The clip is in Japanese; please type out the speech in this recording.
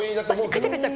カチャカチャ